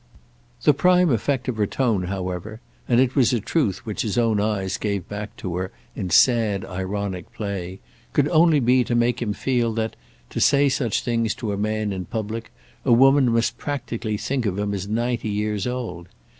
The prime effect of her tone, however—and it was a truth which his own eyes gave back to her in sad ironic play—could only be to make him feel that, to say such things to a man in public, a woman must practically think of him as ninety years old.